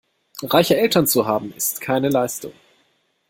Reiche Eltern zu haben, ist keine Leistung.